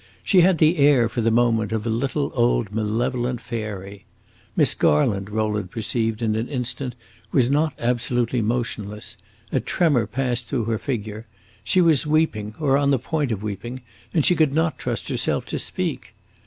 She had the air, for the moment, of a little old malevolent fairy. Miss Garland, Rowland perceived in an instant, was not absolutely motionless; a tremor passed through her figure. She was weeping, or on the point of weeping, and she could not trust herself to speak.